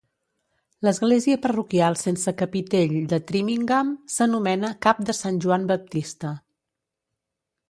L'església parroquial sense capitell de Trimingham s'anomena Cap de Sant Joan Baptista.